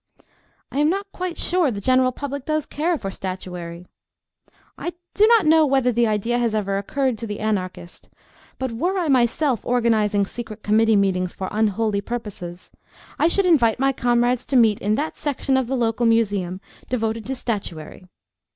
I am not quite sure the general public does care for statuary. I do not know whether the idea has ever occurred to the Anarchist, but, were I myself organising secret committee meetings for unholy purposes, I should invite my comrades to meet in that section of the local museum devoted to statuary.